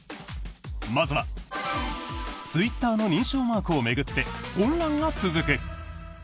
まずは、ツイッターの認証マークを巡って混乱が続く。